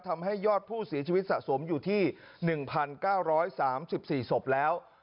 ทำให้ยอดผู้เสียชีวิตสะสมอยู่ที่๑๙๓๔ศพแล้ว